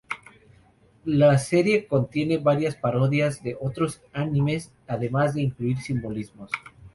La serie contiene varias parodias de otros animes, además de incluir simbolismos.